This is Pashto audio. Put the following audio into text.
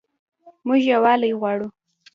موږ یووالی غواړو